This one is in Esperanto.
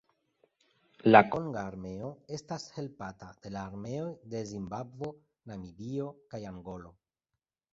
La konga armeo estas helpata de la armeoj de Zimbabvo, Namibio kaj Angolo.